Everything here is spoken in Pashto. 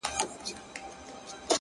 دا خواركۍ راپسي مه ږغـوه ـ